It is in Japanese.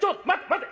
待て！